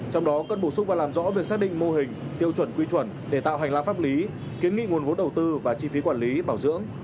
trong đó cần bổ sung và làm rõ việc xác định mô hình tiêu chuẩn quy chuẩn để tạo hành lang pháp lý kiến nghị nguồn vốn đầu tư và chi phí quản lý bảo dưỡng